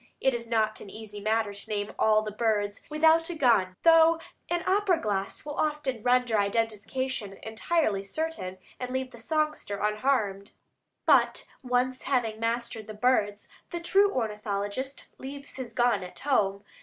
It is not an easy matter to "name all the birds without a gun," though an opera glass will often render identification entirely certain, and leave the songster unharmed; but once having mastered the birds, the true ornithologist leaves his gun at home.